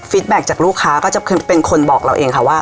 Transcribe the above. แบ็คจากลูกค้าก็จะเป็นคนบอกเราเองค่ะว่า